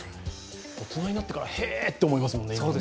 大人になってから、へえと思いますもんね。